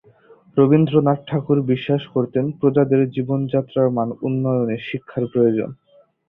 রবীন্দ্রনাথ ঠাকুর বিশ্বাস করতেন প্রজাদের জীবন যাত্রার মান উন্নয়নে শিক্ষার প্রয়োজন।